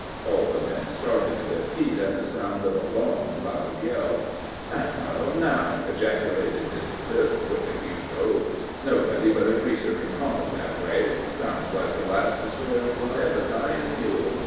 All the men started to their feet at the sound of a long, loud yell. "That's one of 'em now!" ejaculated Mississip, with a huge oath. "Nobody but a Greaser ken holler that way sounds like the last despairin' cry of a dyin' mule.